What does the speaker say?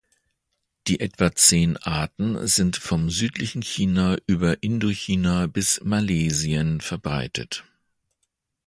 Die etwa zehn Arten sind vom südlichen China über Indochina bis Malesien verbreitet.